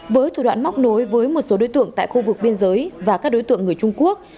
với thủ đoạn móc nối với một số đối tượng tại khu vực biên giới và các đối tượng người trung quốc